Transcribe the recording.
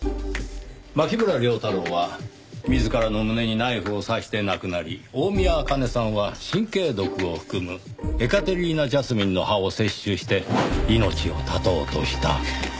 牧村遼太郎は自らの胸にナイフを刺して亡くなり大宮アカネさんは神経毒を含むエカテリーナ・ジャスミンの葉を摂取して命を絶とうとした。